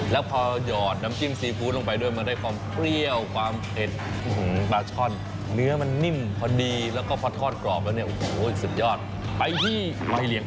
แล้วก็ใบเหลียมพัดไข่